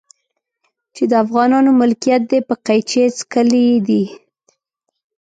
چې د افغانانو ملکيت دی په قيچي څکلي دي.